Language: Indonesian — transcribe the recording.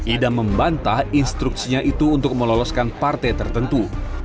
ida membantah instruksinya itu untuk meloloskan partai tertentu